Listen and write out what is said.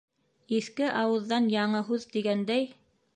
Иҫке ауыҙҙан яңы һүҙ тигәндәй...